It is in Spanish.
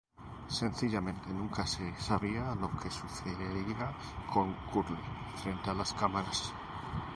Sencillamente nunca se sabía lo que sucedería con Curly frente a las cámaras.